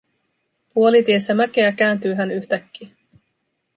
Puolitiessä mäkeä kääntyy hän yhtäkkiä.